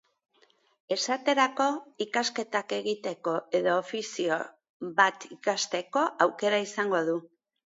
Esaterako, ikasketak egiteko edo ofizio bat ikasteko aukera izango du.